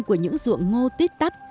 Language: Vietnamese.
của những ruộng ngô tít tắp